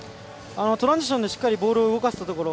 トランジションでしっかりボールを動かせるところ。